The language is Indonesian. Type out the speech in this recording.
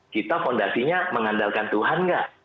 kita fondasinya mengandalkan tuhan nggak